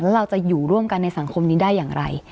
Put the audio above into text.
เราจะอยู่ร่วมกันในสังคมนี้ได้อย่างไร